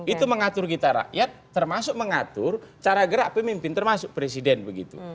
itu mengatur kita rakyat termasuk mengatur cara gerak pemimpin termasuk presiden begitu